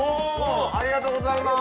ありがとうございます。